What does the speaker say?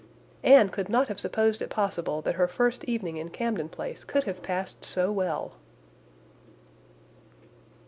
Anne could not have supposed it possible that her first evening in Camden Place could have passed so well!